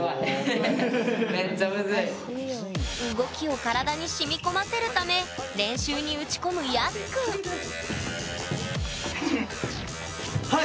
動きを体にしみこませるため練習に打ち込むＹＡＳＵくんはい！